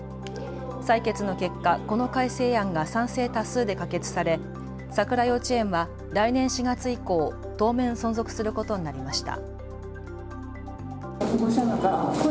採決の結果、この改正案が賛成多数で可決され佐倉幼稚園は来年４月以降、当面存続することになりました。